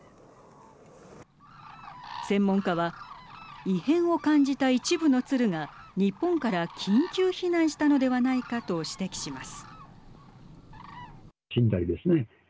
専門家は異変を感じた一部の鶴が日本から緊急避難したのではないかと指摘します。